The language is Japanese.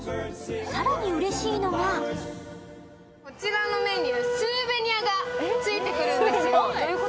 更にうれしいのがこちらのメニュー、スーベニアがついてくるんですよ。